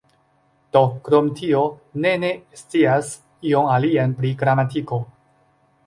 Do, krom tio, ne ne scias ion alian pri gramatiko.